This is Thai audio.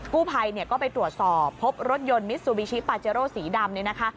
กู้ภัยก็ไปตรวจสอบพบรถยนต์มิซูบิชิปาเจโร่สีดำเนี่ยนะคะ